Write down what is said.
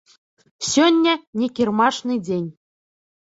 Сёння не кірмашны дзень.